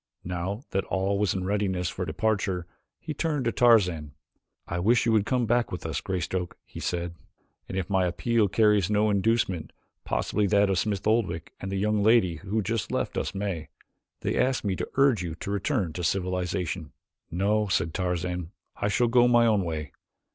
Now that all was in readiness for departure he turned to Tarzan. "I wish you would come back with us, Greystoke," he said, "and if my appeal carries no inducement possibly that of Smith Oldwick and the young lady who just left us may. They asked me to urge you to return to civilization." "No;" said Tarzan, "I shall go my own way.